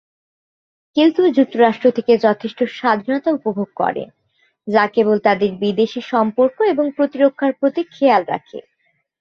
কেউ কেউ যুক্তরাজ্য থেকে যথেষ্ট স্বাধীনতা উপভোগ করেন যা কেবল তাদের বিদেশী সম্পর্ক এবং প্রতিরক্ষার প্রতি খেয়াল রাখে।